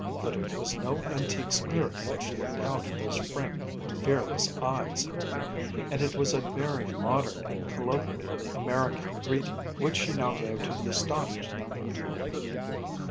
But it was no antique spirit which looked out of those frank, fearless eyes, and it was a very modern and colloquially American greeting which she now gave to the astonished young people.